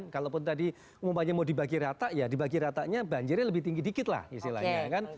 kalaupun tadi umpamanya mau dibagi rata ya dibagi ratanya banjirnya lebih tinggi dikit lah istilahnya kan